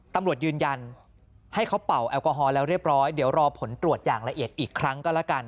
ตำรวจยืนยันให้เขาเป่าแอลกอฮอล์แล้วเรียบร้อยเดี๋ยวรอผลตรวจอย่างละเอียดอีกครั้งก็แล้วกัน